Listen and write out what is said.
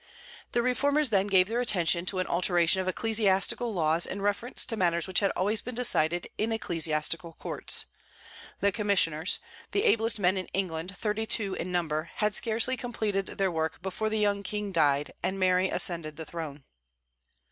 The reformers then gave their attention to an alteration of ecclesiastical laws in reference to matters which had always been decided in ecclesiastical courts. The commissioners the ablest men in England, thirty two in number had scarcely completed their work before the young King died, and Mary ascended the throne.